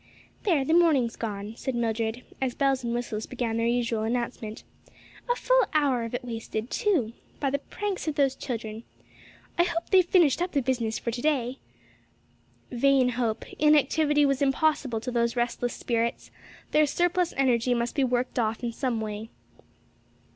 "There, the morning's gone," said Mildred, as bells and whistles began their usual announcement; "a full hour of it wasted, too, by the pranks of those children. I hope they've finished up the business for to day!" Vain hope! inactivity was impossible to those restless spirits: their surplus energy must be worked off in some way.